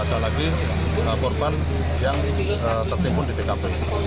ada lagi korban yang tertimbun di tkp